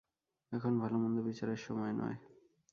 এখন ভালোমন্দ-বিচারের সময় নয়।